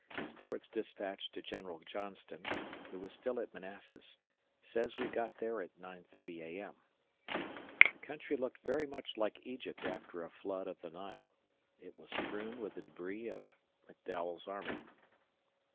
Stuart's dispatch to General Johnston, who was still at Manassas, says we got there at 9.30 A.M. The country looked very much like Egypt after a flood of the Nile it was strewn with the debris of McDowell's army.